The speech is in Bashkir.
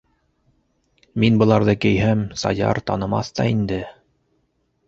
Мин быларҙы кейһәм, Саяр танымаҫ та инде!